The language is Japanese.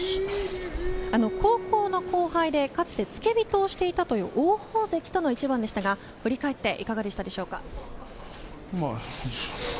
高校の後輩でかつて付け人をしていたという王鵬関との一番でしたが振り返っていかがでしょうか？